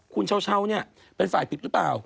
คุณเช้าเนี่ยเป็นฝ่ายผิดหรือเปล่า